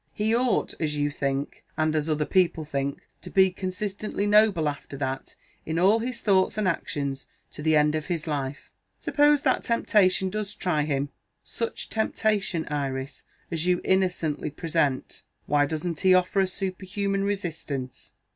He ought, as you think, and as other people think, to be consistently noble, after that, in all his thoughts and actions, to the end of his life. Suppose that temptation does try him such temptation, Iris, as you innocently present why doesn't he offer a superhuman resistance?